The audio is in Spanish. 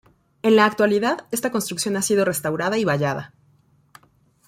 En la actualidad, esta construcción ha sido restaurada y vallada.